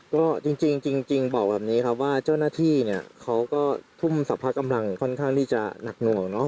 ก็จริงบอกแบบนี้ครับว่าเจ้าหน้าที่เนี่ยเขาก็ทุ่มสรรพกำลังค่อนข้างที่จะหนักหน่วงเนาะ